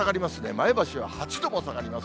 前橋は８度も下がります。